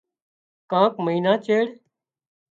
ڪانڪ مئينا چيڙ